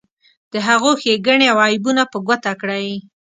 د هغو ښیګڼې او عیبونه په ګوته کړئ.